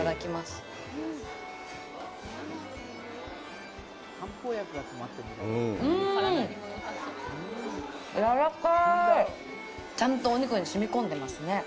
うんやらかいちゃんとお肉にしみこんでますね